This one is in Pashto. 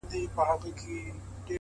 د ورځې ماته د جنت په نيت بمونه ښخ کړي’